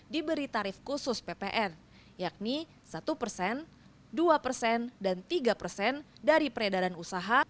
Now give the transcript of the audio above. diberi tarif khusus ppn yakni satu persen dua persen dan tiga persen dari peredaran usaha